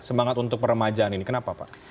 semangat untuk peremajaan ini kenapa pak